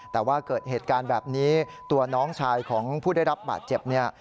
แต่ว่าเกิดเหตุการณ์แบบนี้ตัวน้องชายของผู้ได้รับบาดเจ็บเนี่ย